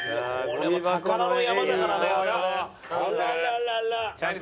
これは宝の山だからね。